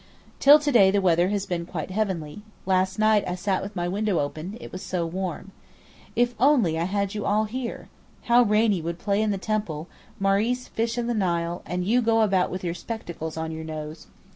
Till to day the weather has been quite heavenly; last night I sat with my window open, it was so warm. If only I had you all here! How Rainie would play in the temple, Maurice fish in the Nile, and you go about with your spectacles on your nose.